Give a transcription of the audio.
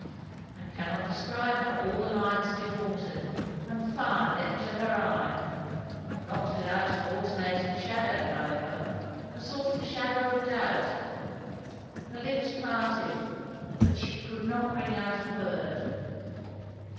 I cannot describe how all the lines of it altered; and fire leapt to her eye, not without an alternating shadow however, a sort of shadow of doubt; her lips parted, but she could not bring out a word.